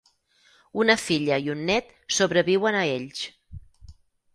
Una filla i un nét sobreviuen a ells.